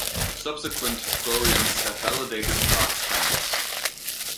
Subsequent historians have validated Clark's claims.